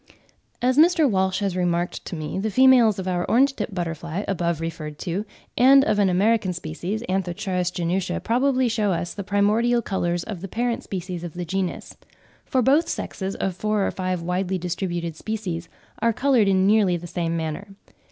As Mr. Walsh has remarked to me, the females of our orange tip butterfly, above referred to, and of an American species (Anth. genutia) probably shew us the primordial colours of the parent species of the genus; for both sexes of four or five widely distributed species are coloured in nearly the same manner.